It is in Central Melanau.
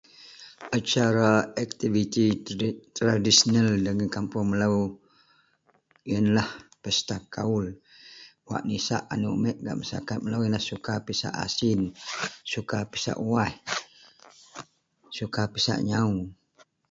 Acara akibiti tradisional dagen kapuong melo iyenlah pesta kawol wak nisak anek umit gak masaraket melo suka pisak asin suka pisak waih suka pisak nyawo.